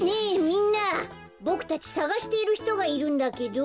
みんなボクたちさがしているひとがいるんだけど。